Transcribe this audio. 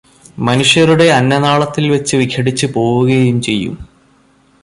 മനുഷ്യരുടെ അന്നനാളത്തിൽ വെച്ചു വിഘടിച്ചു പോവുകയും ചെയ്യും.